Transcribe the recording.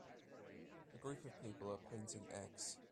A group of people are painting eggs.